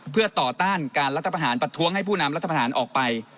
เพื่อต่อต้านการรัฐประหารประท้วงให้ผู้นำรัฐประหารออกไป